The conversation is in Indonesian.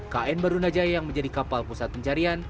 kn barunajaya yang menjadi kapal pusat pencarian